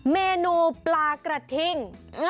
เมนูปลากระทิ่ง